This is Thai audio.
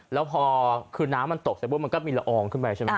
แล้วพอน้ำมันตกใส่บนมันก็มีละอองขึ้นไปใช่ไหม